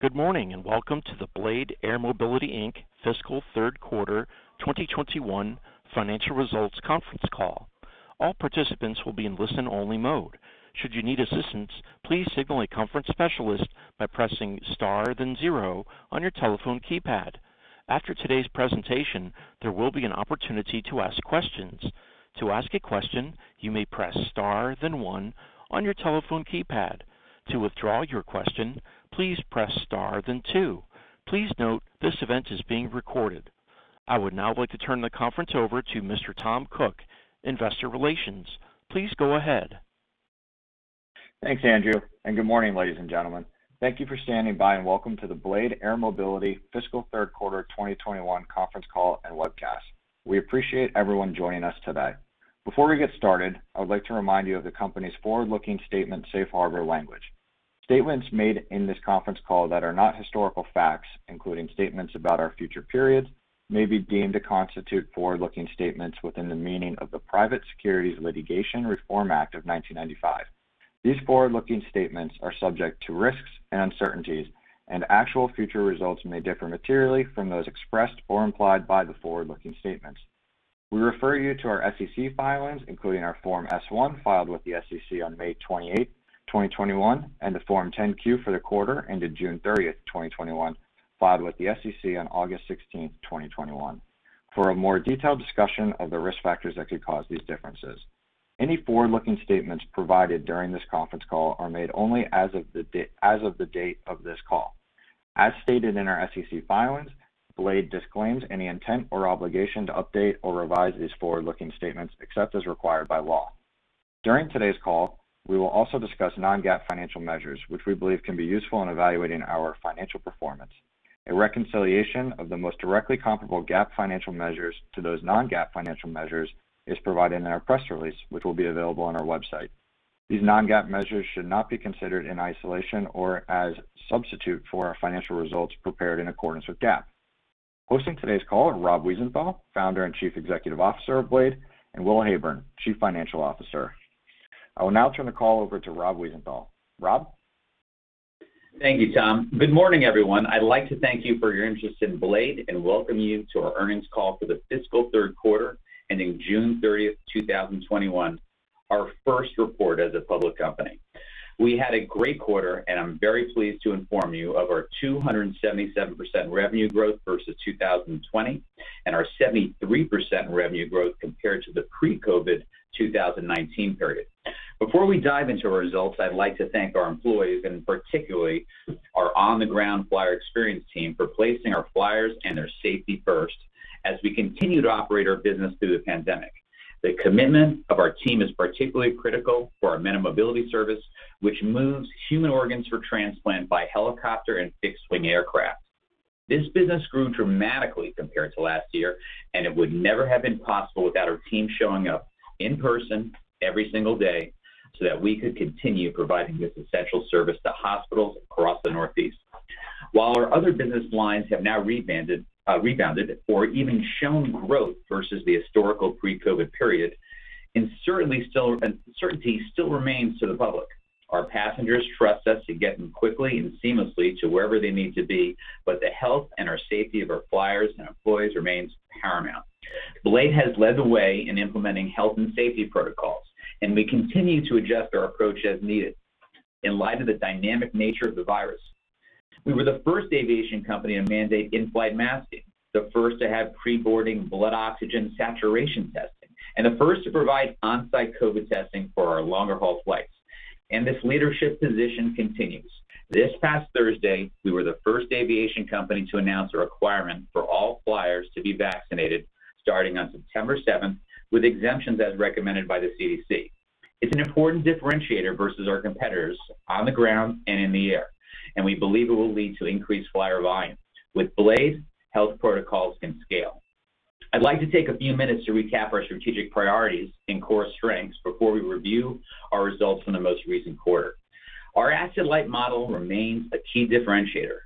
Good morning, and welcome to the Blade Air Mobility, Inc. fiscal third quarter 2021 financial results conference call. All participants will be in listen-only mode. Shoud you need assistantce, please signal a conference specialist by pressing star then zero on your telephone keypad. After today's presentation, there will be an opportunity to ask questions. To ask a questions, you may press star then one on your telephone keypad. To withdraw your questions, please press star then two. Please note this event is being recorded. I would now like to turn the conference over to Mr. Tom Cook, investor relations. Please go ahead. Thanks, Andrew. Good morning, ladies and gentlemen. Thank you for standing by and welcome to the Blade Air Mobility fiscal third quarter 2021 conference call and webcast. We appreciate everyone joining us today. Before we get started, I would like to remind you of the company's forward-looking statement safe harbor language. Statements made in this conference call that are not historical facts, including statements about our future periods, may be deemed to constitute forward-looking statements within the meaning of the Private Securities Litigation Reform Act of 1995. These forward-looking statements are subject to risks and uncertainties. Actual future results may differ materially from those expressed or implied by the forward-looking statements. We refer you to our SEC filings, including our Form S-1 filed with the SEC on May 28, 2021, and the Form 10-Q for the quarter ended June 30th, 2021, filed with the SEC on August 16th, 2021, for a more detailed discussion of the risk factors that could cause these differences. Any forward-looking statements provided during this conference call are made only as of the date of this call. As stated in our SEC filings, Blade disclaims any intent or obligation to update or revise these forward-looking statements except as required by law. During today's call, we will also discuss non-GAAP financial measures, which we believe can be useful in evaluating our financial performance. A reconciliation of the most directly comparable GAAP financial measures to those non-GAAP financial measures is provided in our press release, which will be available on our website. These non-GAAP measures should not be considered in isolation or as a substitute for our financial results prepared in accordance with GAAP. Hosting today's call are Rob Wiesenthal, Founder and Chief Executive Officer of Blade, and Will Heyburn, Chief Financial Officer. I will now turn the call over to Rob Wiesenthal. Rob? Thank you, Tom. Good morning, everyone. I'd like to thank you for your interest in Blade and welcome you to our earnings call for the fiscal third quarter ending June 30th, 2021, our first report as a public company. We had a great quarter, and I'm very pleased to inform you of our 277% revenue growth versus 2020 and our 73% revenue growth compared to the pre-COVID 2019 period. Before we dive into our results, I'd like to thank our employees and particularly our on-the-ground flyer experience team for placing our flyers and their safety first as we continue to operate our business through the pandemic. The commitment of our team is particularly critical for our MediMobility service, which moves human organs for transplant by helicopter and fixed-wing aircraft. This business grew dramatically compared to last year, and it would never have been possible without our team showing up in person every single day so that we could continue providing this essential service to hospitals across the Northeast. While our other business lines have now rebounded or even shown growth versus the historical pre-COVID period, uncertainty still remains to the public. Our passengers trust us to get them quickly and seamlessly to wherever they need to be, but the health and our safety of our flyers and employees remains paramount. Blade has led the way in implementing health and safety protocols, and we continue to adjust our approach as needed in light of the dynamic nature of the virus. We were the first aviation company to mandate in-flight masking, the first to have pre-boarding blood oxygen saturation testing, and the first to provide on-site COVID testing for our longer-haul flights, and this leadership position continues. This past Thursday, we were the first aviation company to announce a requirement for all flyers to be vaccinated starting on September 7th, with exemptions as recommended by the CDC. It's an important differentiator versus our competitors on the ground and in the air, and we believe it will lead to increased flyer volume. With Blade, health protocols can scale. I'd like to take a few minutes to recap our strategic priorities and core strengths before we review our results from the most recent quarter. Our asset-light model remains a key differentiator.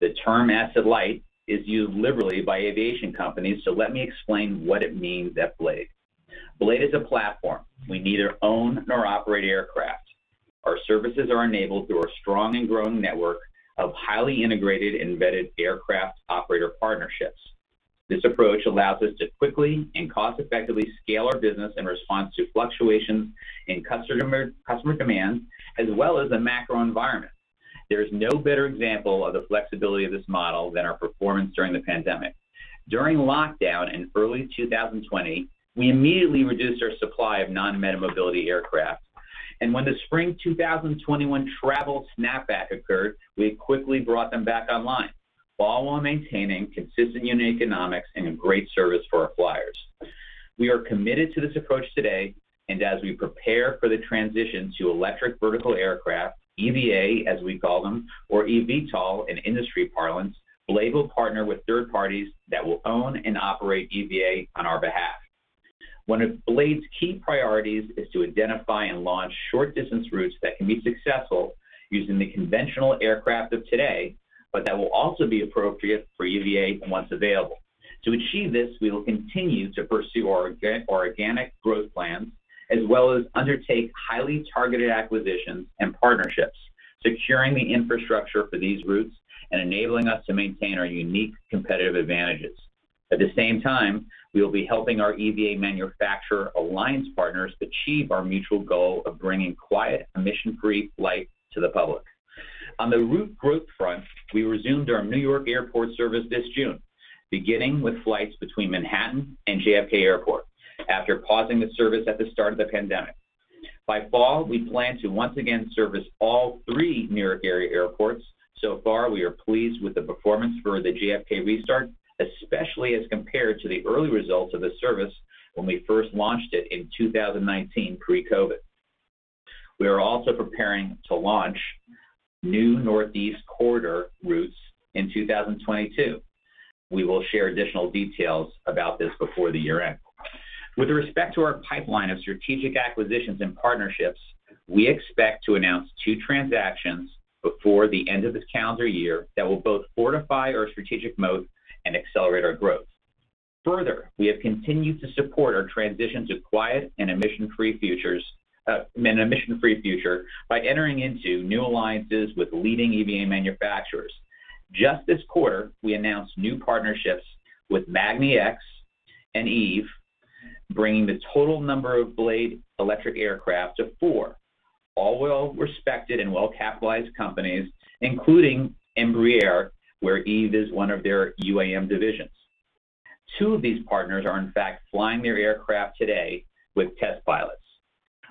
The term asset-light is used liberally by aviation companies, so let me explain what it means at Blade. Blade is a platform. We neither own nor operate aircraft. Our services are enabled through our strong and growing network of highly integrated and vetted aircraft operator partnerships. This approach allows us to quickly and cost-effectively scale our business in response to fluctuations in customer demand as well as the macro environment. There is no better example of the flexibility of this model than our performance during the pandemic. During lockdown in early 2020, we immediately reduced our supply of non-MediMobility aircraft. When the spring 2021 travel snapback occurred, we quickly brought them back online while maintaining consistent unit economics and a great service for our flyers. We are committed to this approach today, and as we prepare for the transition to electric vertical aircraft, EVA, as we call them, or eVTOL in industry parlance, Blade will partner with third parties that will own and operate EVA on our behalf. One of Blade's key priorities is to identify and launch short-distance routes that can be successful using the conventional aircraft of today, but that will also be appropriate for EVA once available. To achieve this, we will continue to pursue our organic growth plans as well as undertake highly targeted acquisitions and partnerships, securing the infrastructure for these routes and enabling us to maintain our unique competitive advantages. At the same time, we will be helping our EVA manufacturer alliance partners achieve our mutual goal of bringing quiet, emission-free flight to the public. On the route growth front, we resumed our New York airport service this June, beginning with flights between Manhattan and JFK Airport after pausing the service at the start of the pandemic. By fall, we plan to once again service all three New York area airports. So far, we are pleased with the performance for the JFK restart, especially as compared to the early results of the service when we first launched it in 2019 pre-COVID. We are also preparing to launch new Northeast Corridor routes in 2022. We will share additional details about this before the year-end. With respect to our pipeline of strategic acquisitions and partnerships, we expect to announce two transactions before the end of this calendar year that will both fortify our strategic moat and accelerate our growth. Further, we have continued to support our transition to quiet and emission-free future by entering into new alliances with leading EVA manufacturers. Just this quarter, we announced new partnerships with magniX and Eve, bringing the total number of Blade electric aircraft to four. All well-respected and well-capitalized companies, including Embraer, where Eve is one of their UAM divisions. Two of these partners are in fact flying their aircraft today with test pilots.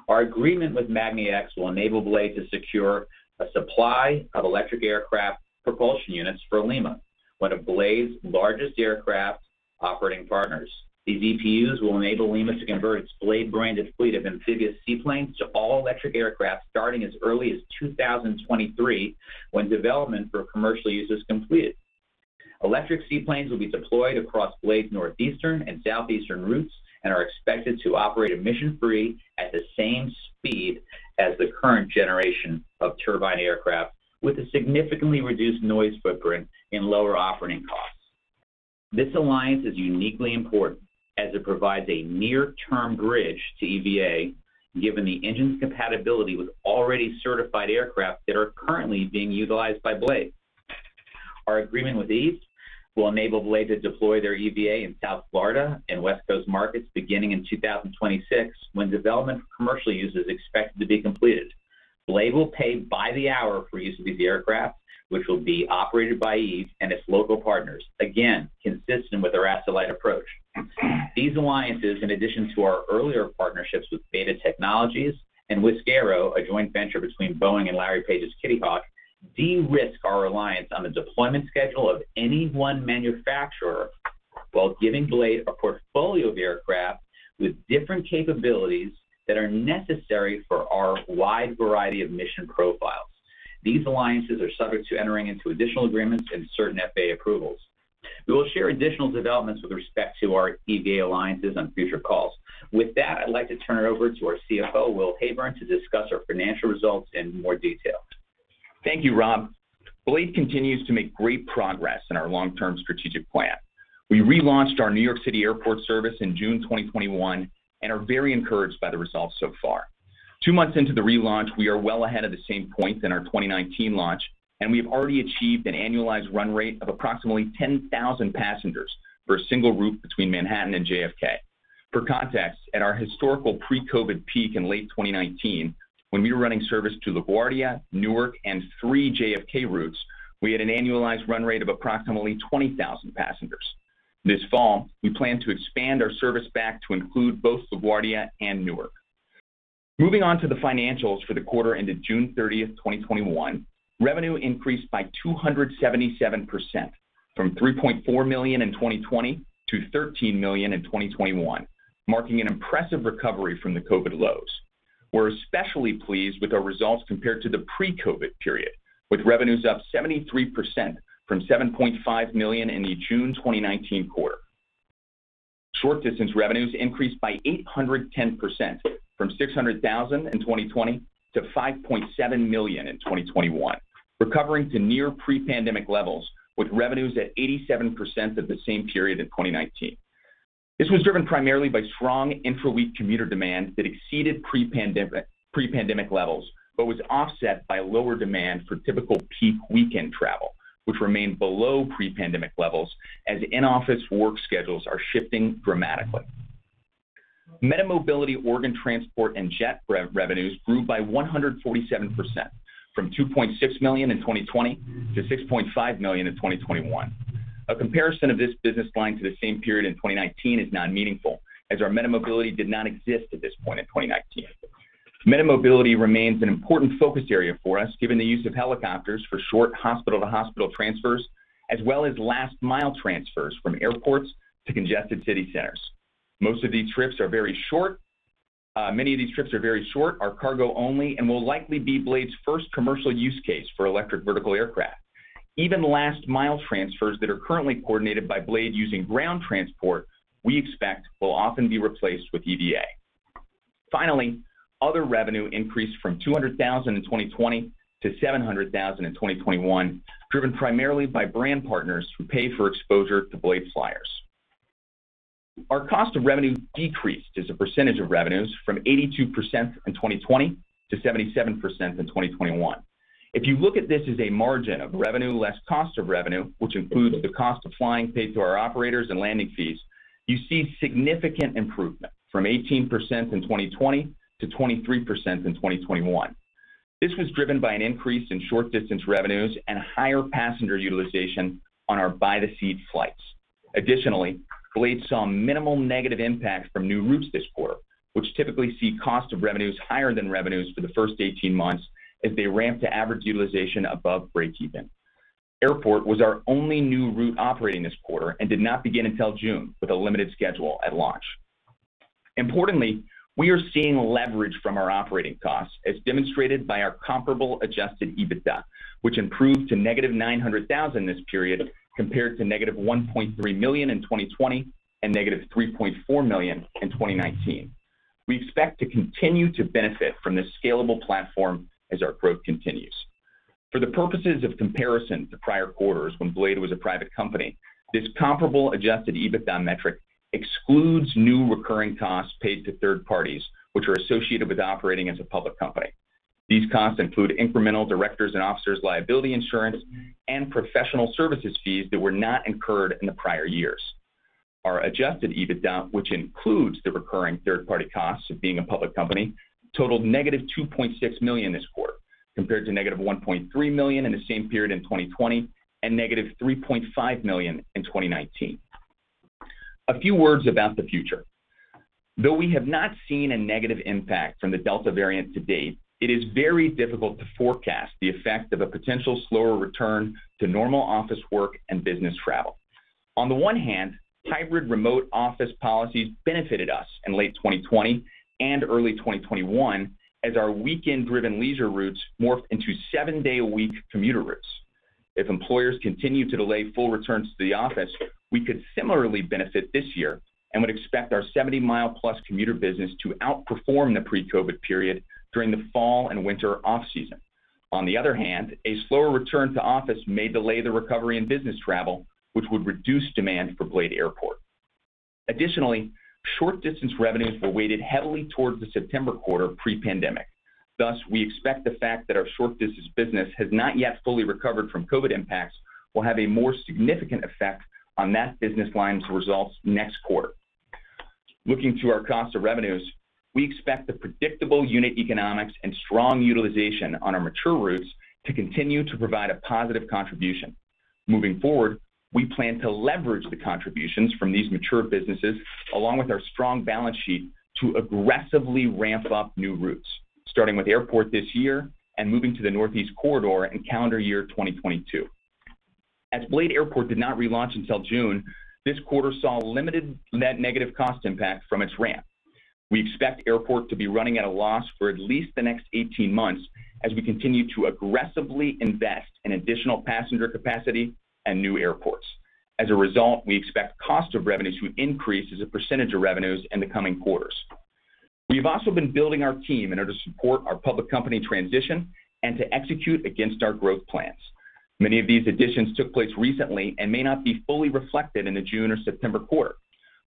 Our agreement with magniX will enable Blade to secure a supply of electric aircraft propulsion units for Lima, one of Blade's largest aircraft operating partners. These EPUs will enable Lima to convert its Blade branded fleet of amphibious seaplanes to all-electric aircraft starting as early as 2023 when development for commercial use is completed. Electric seaplanes will be deployed across Blade Northeastern and Southeastern routes and are expected to operate emission-free at the same speed as the current generation of turbine aircraft with a significantly reduced noise footprint and lower operating costs. This alliance is uniquely important as it provides a near-term bridge to EVA, given the engine's compatibility with already certified aircraft that are currently being utilized by Blade. Our agreement with Eve will enable Blade to deploy their EVA in South Florida and West Coast markets beginning in 2026, when development for commercial use is expected to be completed. Blade will pay by the hour for use of these aircraft, which will be operated by Eve and its local partners, again, consistent with our asset-light approach. These alliances, in addition to our earlier partnerships with Beta Technologies and with Wisk Aero, a joint venture between Boeing and Larry Page's Kitty Hawk, de-risk our reliance on the deployment schedule of any one manufacturer while giving Blade a portfolio of aircraft with different capabilities that are necessary for our wide variety of mission profiles. These alliances are subject to entering into additional agreements and certain FAA approvals. We will share additional developments with respect to our EVA alliances on future calls. With that, I'd like to turn it over to our CFO, Will Heyburn, to discuss our financial results in more detail. Thank you, Rob. Blade continues to make great progress in our long-term strategic plan. We relaunched our New York City airport service in June 2021 and are very encouraged by the results so far. Two months into the relaunch, we are well ahead of the same point in our 2019 launch, and we have already achieved an annualized run rate of approximately 10,000 passengers for a single route between Manhattan and JFK. For context, at our historical pre-COVID peak in late 2019, when we were running service to LaGuardia, Newark, and three JFK routes, we had an annualized run rate of approximately 20,000 passengers. This fall, we plan to expand our service back to include both LaGuardia and Newark. Moving on to the financials for the quarter ended June 30th, 2021, revenue increased by 277%, from $3.4 million in 2020 to $13 million in 2021, marking an impressive recovery from the COVID lows. We're especially pleased with our results compared to the pre-COVID period, with revenues up 73% from $7.5 million in the June 2019 quarter. Short distance revenues increased by 810%, from $600,000 in 2020 to $5.7 million in 2021, recovering to near pre-pandemic levels with revenues at 87% of the same period in 2019. This was driven primarily by strong intra-week commuter demand that exceeded pre-pandemic levels but was offset by lower demand for typical peak weekend travel, which remained below pre-pandemic levels as in-office work schedules are shifting dramatically. MediMobility organ transport and jet revenues grew by 147%, from $2.6 million in 2020 to $6.5 million in 2021. A comparison of this business line to the same period in 2019 is not meaningful as our MediMobility did not exist at this point in 2019. MediMobility remains an important focus area for us given the use of helicopters for short hospital-to-hospital transfers as well as last mile transfers from airports to congested city centers. Many of these trips are very short, are cargo only, and will likely be Blade's first commercial use case for electric vertical aircraft. Even last mile transfers that are currently coordinated by Blade using ground transport we expect will often be replaced with EVA. Other revenue increased from $200,000 in 2020 to $700,000 in 2021, driven primarily by brand partners who pay for exposure to Blade flyers. Our cost of revenue decreased as a percentage of revenues from 82% in 2020 to 77% in 2021. If you look at this as a margin of revenue less cost of revenue, which includes the cost of flying paid to our operators and landing fees, you see significant improvement from 18% in 2020 to 23% in 2021. This was driven by an increase in short distance revenues and higher passenger utilization on our by the seat flights. Additionally, Blade saw minimal negative impact from new routes this quarter, which typically see cost of revenues higher than revenues for the first 18 months as they ramp to average utilization above breakeven. BLADE Airport was our only new route operating this quarter and did not begin until June with a limited schedule at launch. Importantly, we are seeing leverage from our operating costs as demonstrated by our comparable adjusted EBITDA, which improved to negative $900,000 this period compared to negative $1.3 million in 2020 and negative $3.4 million in 2019. We expect to continue to benefit from this scalable platform as our growth continues. For the purposes of comparison to prior quarters when Blade was a private company, this comparable adjusted EBITDA metric excludes new recurring costs paid to third parties, which are associated with operating as a public company. These costs include incremental directors and officers' liability insurance and professional services fees that were not incurred in the prior years. Our adjusted EBITDA, which includes the recurring third party costs of being a public company, totaled negative $2.6 million this quarter compared to negative $1.3 million in the same period in 2020 and negative $3.5 million in 2019. A few words about the future. Though we have not seen a negative impact from the Delta variant to date, it is very difficult to forecast the effect of a potential slower return to normal office work and business travel. On the one hand, hybrid remote office policies benefited us in late 2020 and early 2021 as our weekend-driven leisure routes morphed into seven-day-a-week commuter routes. If employers continue to delay full returns to the office, we could similarly benefit this year and would expect our 70-mile plus commuter business to outperform the pre-COVID period during the fall and winter off-season. On the other hand, a slower return to office may delay the recovery in business travel, which would reduce demand for BLADE Airport. Additionally, short distance revenues were weighted heavily towards the September quarter pre-pandemic. Thus, we expect the fact that our short distance business has not yet fully recovered from COVID impacts will have a more significant effect on that business line's results next quarter. Looking to our cost of revenues, we expect the predictable unit economics and strong utilization on our mature routes to continue to provide a positive contribution. Moving forward, we plan to leverage the contributions from these mature businesses along with our strong balance sheet to aggressively ramp up new routes, starting with BLADE Airport this year and moving to the Northeast Corridor in calendar year 2022. As BLADE Airport did not relaunch until June, this quarter saw limited net negative cost impact from its ramp. We expect BLADE Airport to be running at a loss for at least the next 18 months as we continue to aggressively invest in additional passenger capacity and new airports. As a result, we expect cost of revenue to increase as a percentage of revenues in the coming quarters. We've also been building our team in order to support our public company transition and to execute against our growth plans. Many of these additions took place recently and may not be fully reflected in the June or September quarter.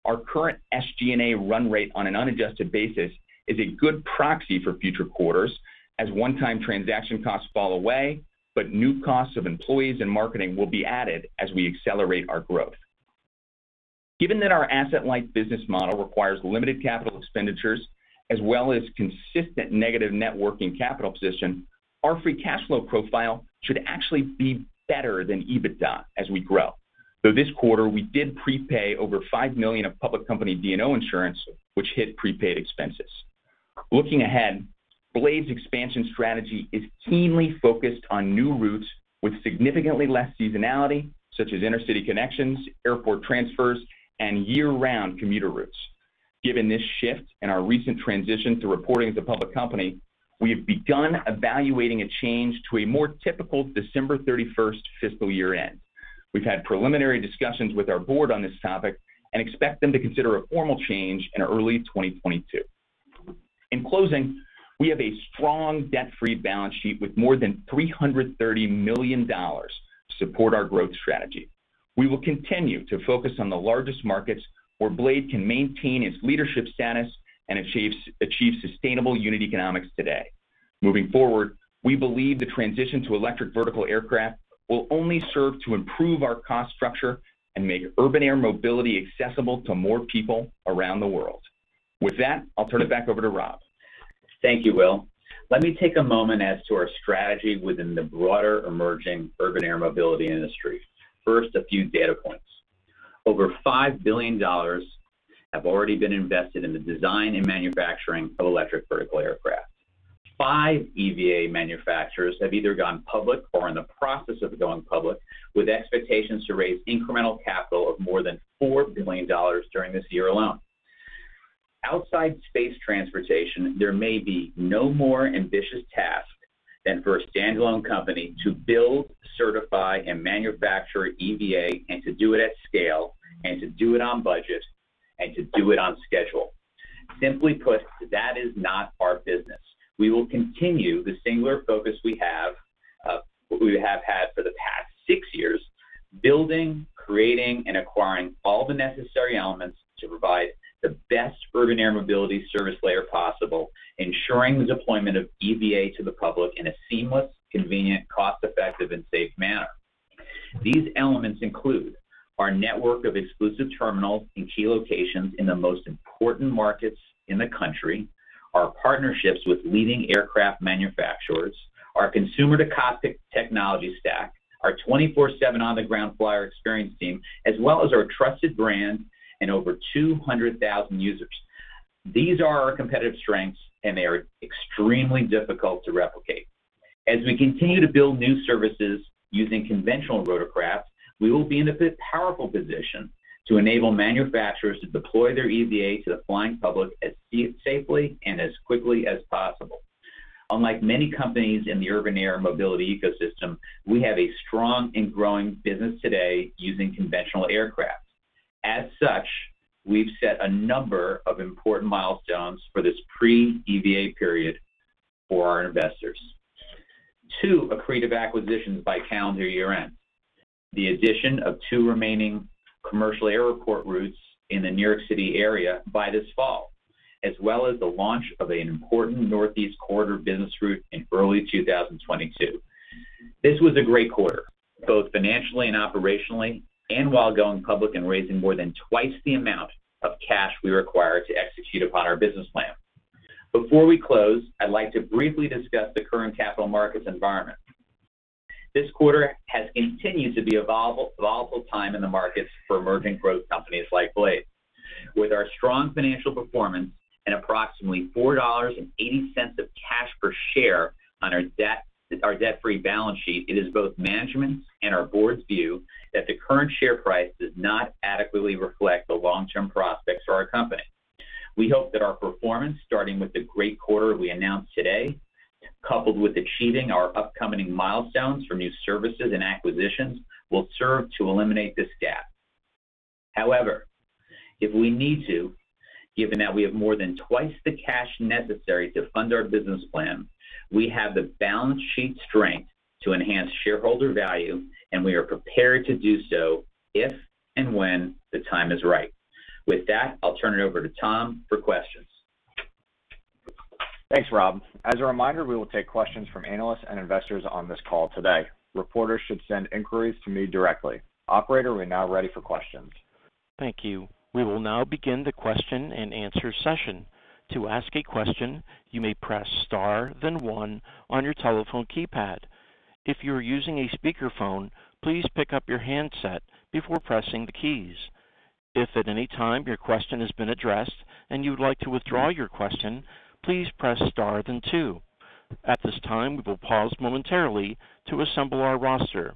Our current SG&A run rate on an unadjusted basis is a good proxy for future quarters as one-time transaction costs fall away, but new costs of employees and marketing will be added as we accelerate our growth. Given that our asset-light business model requires limited capital expenditures as well as consistent negative net working capital position, our free cash flow profile should actually be better than EBITDA as we grow. This quarter, we did prepay over $5 million of public company D&O insurance, which hit prepaid expenses. Looking ahead, Blade's expansion strategy is keenly focused on new routes with significantly less seasonality, such as intercity connections, airport transfers, and year-round commuter routes. Given this shift and our recent transition to reporting as a public company, we have begun evaluating a change to a more typical December 31st fiscal year end. We've had preliminary discussions with our board on this topic and expect them to consider a formal change in early 2022. In closing, we have a strong debt-free balance sheet with more than $330 million to support our growth strategy. We will continue to focus on the largest markets where Blade can maintain its leadership status and achieve sustainable unit economics today. Moving forward, we believe the transition to electric vertical aircraft will only serve to improve our cost structure and make urban air mobility accessible to more people around the world. With that, I'll turn it back over to Rob. Thank you, Will. Let me take a moment as to our strategy within the broader emerging urban air mobility industry. First, a few data points. Over $5 billion have already been invested in the design and manufacturing of electric vertical aircraft. Five EVA manufacturers have either gone public or are in the process of going public with expectations to raise incremental capital of more than $4 billion during this year alone. Outside space transportation, there may be no more ambitious task than for a standalone company to build, certify, and manufacture EVA, and to do it at scale, and to do it on budget, and to do it on schedule. Simply put, that is not our business. We will continue the singular focus we have had for the past six years, building, creating, and acquiring all the necessary elements to provide the best urban air mobility service layer possible, ensuring the deployment of eVTOL to the public in a seamless, convenient, cost-effective, and safe manner. These elements include our network of exclusive terminals in key locations in the most important markets in the country, our partnerships with leading aircraft manufacturers, our consumer-focused technology stack, our 24/7 on-the-ground flyer experience team, as well as our trusted brand and over 200,000 users. These are our competitive strengths, and they are extremely difficult to replicate. As we continue to build new services using conventional rotorcraft, we will be in the powerful position to enable manufacturers to deploy their eVTOL to the flying public as safely and as quickly as possible. Unlike many companies in the urban air mobility ecosystem, we have a strong and growing business today using conventional aircraft. As such, we've set a number of important milestones for this pre-EVA period for our investors. Two accretive acquisitions by calendar year-end, the addition of two remaining commercial airport routes in the New York City area by this fall, as well as the launch of an important Northeast Corridor business route in early 2022. This was a great quarter, both financially and operationally, and while going public and raising more than twice the amount of cash we require to execute upon our business plan. Before we close, I'd like to briefly discuss the current capital markets environment. This quarter has continued to be a volatile time in the markets for emerging growth companies like Blade. With our strong financial performance and approximately $4.80 of cash per share on our debt-free balance sheet, it is both management's and our board's view that the current share price does not adequately reflect the long-term prospects for our company. We hope that our performance, starting with the great quarter we announced today, coupled with achieving our upcoming milestones for new services and acquisitions, will serve to eliminate this gap. If we need to, given that we have more than twice the cash necessary to fund our business plan, we have the balance sheet strength to enhance shareholder value, and we are prepared to do so if and when the time is right. With that, I'll turn it over to Tom for questions. Thanks, Rob. As a reminder, we will take questions from analysts and investors on this call today. Reporters should send inquiries to me directly. Operator, we are now ready for questions. Thank you. We will now begin the question-and-answer session. To ask a question, you may press star then one on your telephone keypad. If you're using a speakerphone, please pick up your handset before pressing the keys. If at any time your question has been addressed and you would like to withdraw your question, please press star then two. At this time, we will pause momentarily to assemble our roster.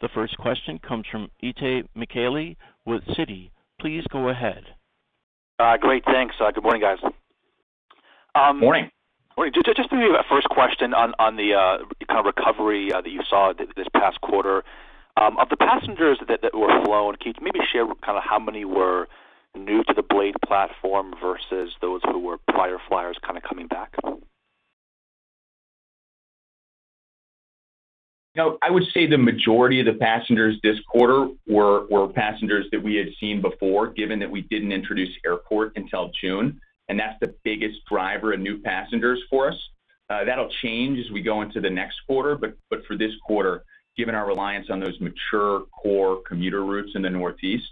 The first question comes from Itay Michaeli with Citi. Please go ahead. Great. Thanks. Good morning, guys. Morning. Morning. Maybe a first question on the kind of recovery that you saw this past quarter. Of the passengers that were flown, can you maybe share how many were new to the Blade platform versus those who were prior flyers coming back? I would say the majority of the passengers this quarter were passengers that we had seen before, given that we didn't introduce airport until June, and that's the biggest driver of new passengers for us. That'll change as we go into the next quarter, but for this quarter, given our reliance on those mature core commuter routes in the Northeast,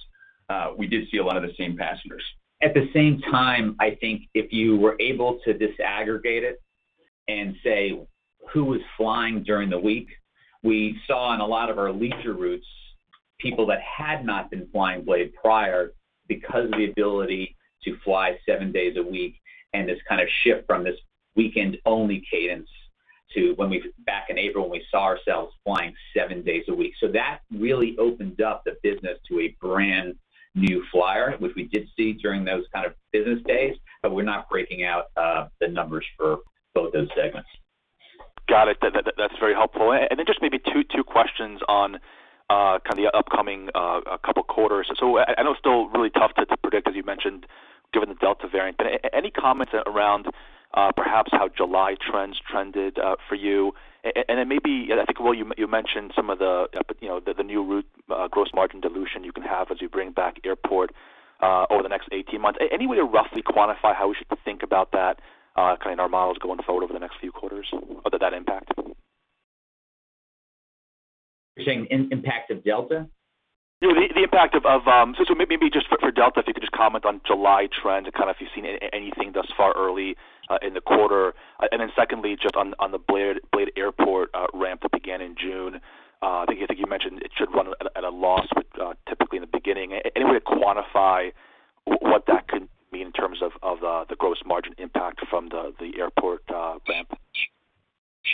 we did see a lot of the same passengers. At the same time, I think if you were able to disaggregate it and say who was flying during the week, we saw in a lot of our leisure routes people that had not been flying Blade prior because of the ability to fly seven days a week, and this shift from this weekend-only cadence to back in April when we saw ourselves flying seven days a week. That really opened up the business to a brand-new flyer, which we did see during those kind of business days. We're not breaking out the numbers for both those segments. Got it. That's very helpful. Just maybe two questions on the upcoming couple quarters. I know it's still really tough to predict, as you mentioned, given the Delta variant, any comments around perhaps how July trends trended for you? Maybe, I think, Will, you mentioned some of the new route gross margin dilution you can have as you bring back airport over the next 18 months. Any way to roughly quantify how we should think about that in our models going forward over the next few quarters, that impact? You're saying impact of Delta? Maybe just for Delta, if you could just comment on July trends, if you've seen anything thus far early in the quarter. Secondly, just on the BLADE Airport ramp that began in June. I think you mentioned it should run at a loss typically in the beginning. Any way to quantify what that could mean in terms of the gross margin impact from the airport ramp? Sure.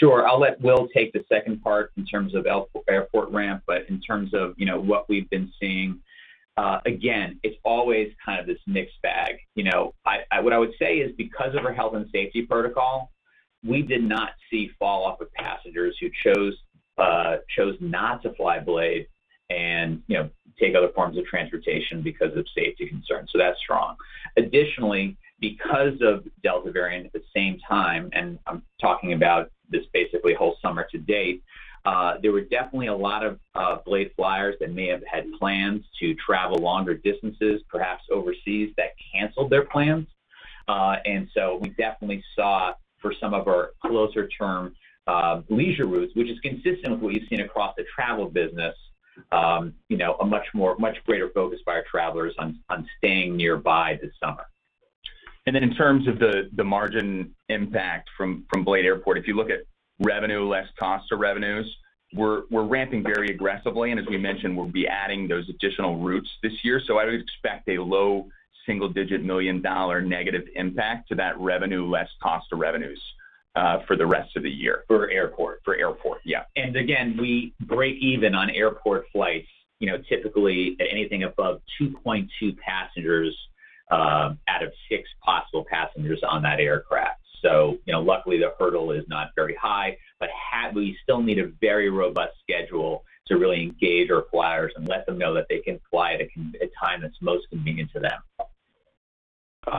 I'll let Will take the second part in terms of airport ramp. In terms of what we've been seeing, again, it's always kind of this mixed bag. What I would say is because of our health and safety protocols. We did not see fall off of passengers who chose not to fly Blade and take other forms of transportation because of safety concerns. That's strong. Additionally, because of Delta variant, at the same time, I'm talking about this basically whole summer to date, there were definitely a lot of Blade flyers that may have had plans to travel longer distances, perhaps overseas, that canceled their plans. We definitely saw for some of our closer term leisure routes, which is consistent with what you've seen across the travel business, a much greater focus by our travelers on staying nearby this summer. In terms of the margin impact from BLADE Airport, if you look at revenue less cost of revenues, we're ramping very aggressively. As we mentioned, we'll be adding those additional routes this year. I would expect a low single-digit million-dollar negative impact to that revenue less cost of revenues for the rest of the year. For airport. For airport, yeah. Again, we break even on airport flights, typically at anything above 2.2 passengers out of six possible passengers on that aircraft. Luckily, the hurdle is not very high, but we still need a very robust schedule to really engage our flyers and let them know that they can fly at a time that's most convenient to them.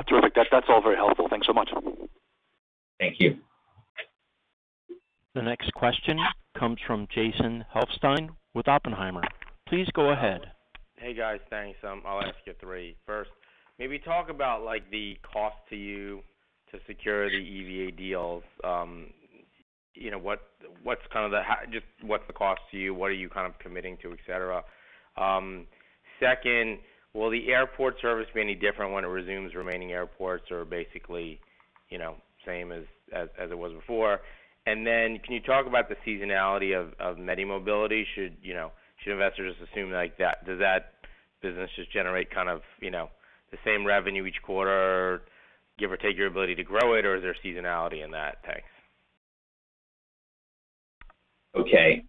Terrific. That's all very helpful. Thanks so much. Thank you. The next question comes from Jason Helfstein with Oppenheimer. Please go ahead. Hey, guys. Thanks. I'll ask you three. First, maybe talk about the cost to you to secure the EVA deals. Just what's the cost to you? What are you committing to, et cetera? Second, will the airport service be any different when it resumes? Remaining airports are basically same as it was before. Can you talk about the seasonality of MediMobility? Should investors assume does that business just generate the same revenue each quarter, give or take your ability to grow it, or is there seasonality in that? Thanks. Okay.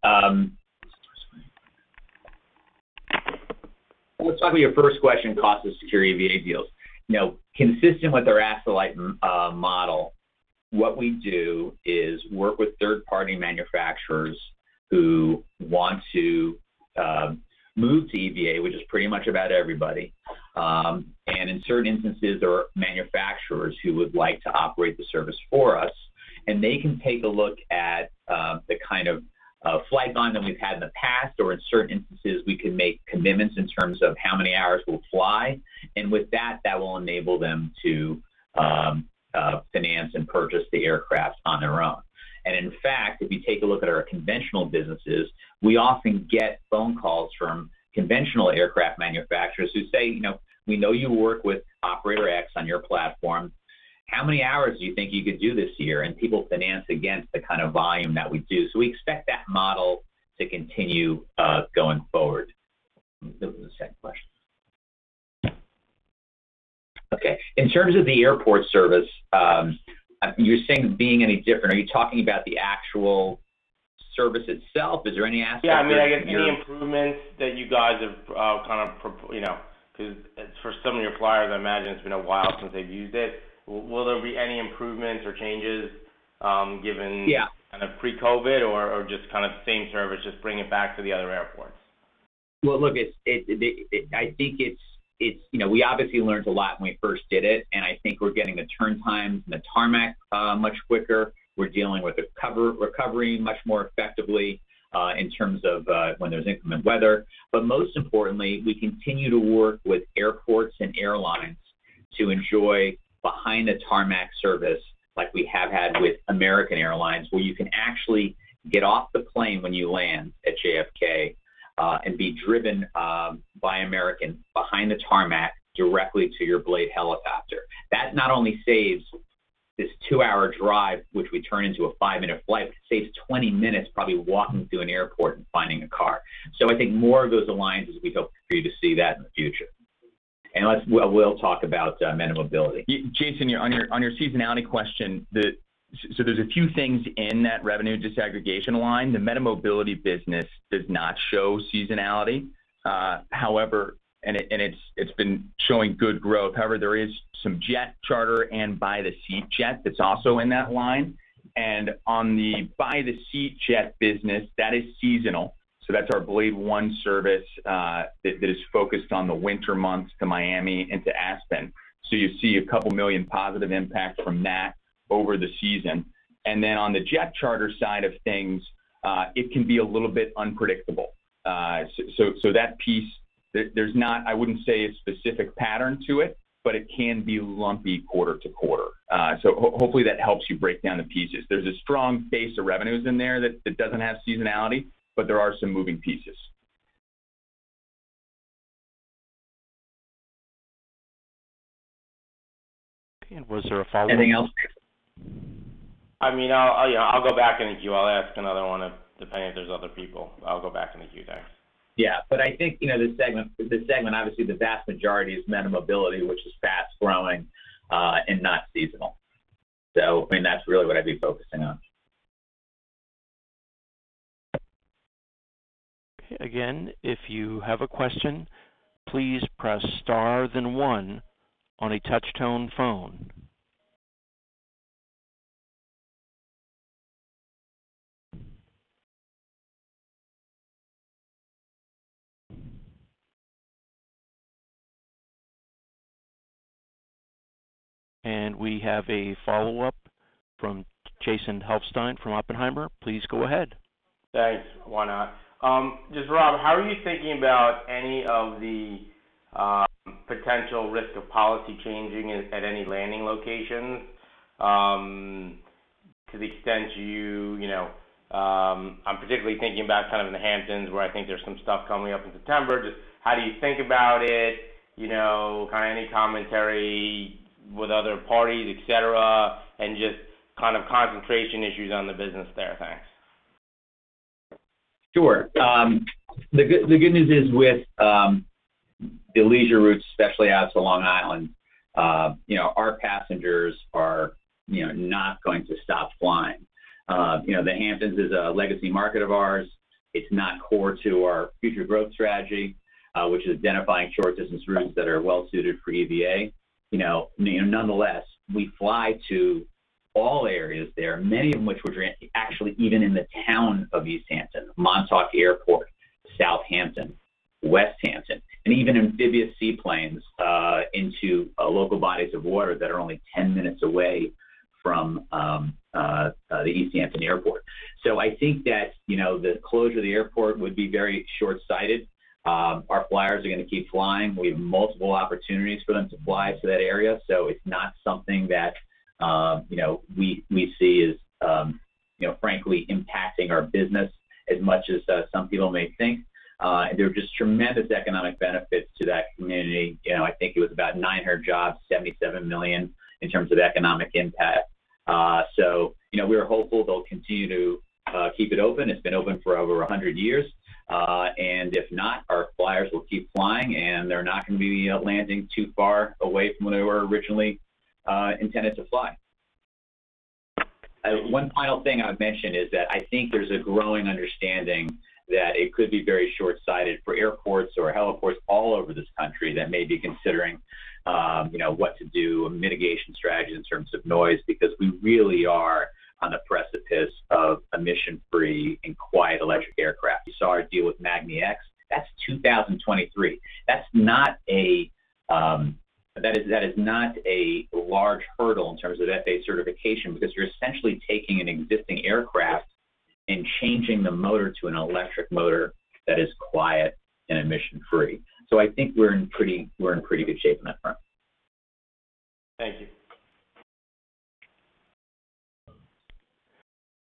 Let's talk about your first question, cost to secure EVA deals. Consistent with our asset-light model, what we do is work with third-party manufacturers who want to move to EVA, which is pretty much about everybody. In certain instances, there are manufacturers who would like to operate the service for us, and they can take a look at the kind of flight line that we've had in the past, or in certain instances, we can make commitments in terms of how many hours we'll fly. With that will enable them to finance and purchase the aircraft on their own. In fact, if you take a look at our conventional businesses, we often get phone calls from conventional aircraft manufacturers who say, "We know you work with operator X on your platform. How many hours do you think you could do this year? People finance against the kind of volume that we do. We expect that model to continue going forward. That was the second question. Okay. In terms of the airport service, you're saying being any different, are you talking about the actual service itself? Is there any aspect? Yeah. Any improvements that you guys have, because for some of your flyers, I imagine it's been a while since they've used it. Will there be any improvements or changes given? Yeah pre-COVID or just kind of same service, just bring it back to the other airports? Well, look, we obviously learned a lot when we first did it. I think we're getting the turn times in the tarmac much quicker. We're dealing with the recovery much more effectively in terms of when there's inclement weather. Most importantly, we continue to work with airports and airlines to enjoy behind the tarmac service like we have had with American Airlines, where you can actually get off the plane when you land at JFK and be driven by American behind the tarmac directly to your Blade helicopter. That not only saves this two-hour drive, which we turn into a five-minute flight, but it saves 20 minutes probably walking through an airport and finding a car. I think more of those alliances, we hope for you to see that in the future. Will talk about MediMobility. Jason, on your seasonality question, there's a few things in that revenue disaggregation line. The MediMobility business does not show seasonality, and it's been showing good growth. However, there is some jet charter and by the seat jet that's also in that line. On the by the seat jet business, that is seasonal. That's our BLADEone service that is focused on the winter months to Miami and to Aspen. You see a $2 million positive impact from that over the season. On the jet charter side of things, it can be a little bit unpredictable. That piece, I wouldn't say a specific pattern to it, but it can be lumpy quarter-to-quarter. Hopefully that helps you break down the pieces. There's a strong base of revenues in there that doesn't have seasonality, but there are some moving pieces. Was there a follow-up? Anything else? I'll go back in a queue. I'll ask another one depending if there's other people. I'll go back in the queue then. Yeah. I think this segment, obviously the vast majority is MediMobility, which is fast-growing and not seasonal. That's really what I'd be focusing on. Again, if you have a question, please press star then one on a touch-tone phone. We have a follow-up from Jason Helfstein from Oppenheimer. Please go ahead. Thanks. Why not? Just Rob, how are you thinking about any of the potential risk of policy changing at any landing locations? I'm particularly thinking about kind of in the Hamptons, where I think there's some stuff coming up in September. How do you think about it, kind of any commentary with other parties, et cetera, and just kind of concentration issues on the business there? Thanks. Sure. The good news is with the leisure routes, especially out to Long Island, our passengers are not going to stop flying. The Hamptons is a legacy market of ours. It's not core to our future growth strategy, which is identifying short distance routes that are well-suited for EVA. We fly to all areas there, many of which we're actually even in the town of East Hampton, Montauk Airport, Southampton, Westhampton, and even amphibious seaplanes into local bodies of water that are only 10 minutes away from the East Hampton Airport. I think that the closure of the airport would be very shortsighted. Our flyers are going to keep flying. We have multiple opportunities for them to fly to that area, it's not something that we see as frankly impacting our business as much as some people may think. There are just tremendous economic benefits to that community. I think it was about 900 jobs, $77 million in terms of economic impact. We are hopeful they'll continue to keep it open. It's been open for over 100 years. If not, our flyers will keep flying, and they're not going to be landing too far away from where they were originally intended to fly. One final thing I would mention is that I think there's a growing understanding that it could be very shortsighted for airports or heliports all over this country that may be considering what to do, a mitigation strategy in terms of noise, because we really are on the precipice of emission-free and quiet electric aircraft. You saw our deal with magniX. That's 2023. That is not a large hurdle in terms of FAA certification because you're essentially taking an existing aircraft and changing the motor to an electric motor that is quiet and emission-free. I think we're in pretty good shape on that front. Thank you.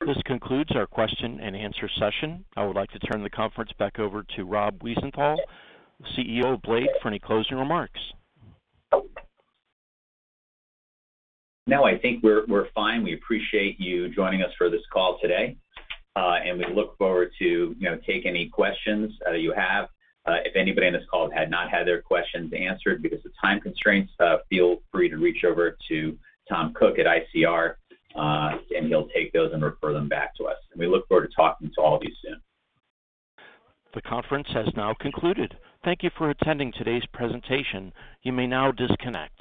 This concludes our question-and-answer session. I would like to turn the conference back over to Rob Wiesenthal, CEO of Blade, for any closing remarks. I think we're fine. We appreciate you joining us for this call today, and we look forward to taking any questions that you have. If anybody on this call had not had their questions answered because of time constraints, feel free to reach over to Tom Cook at ICR, and he'll take those and refer them back to us, and we look forward to talking to all of you soon. The conference has now concluded. Thank you for attending today's presentation. You may now disconnect.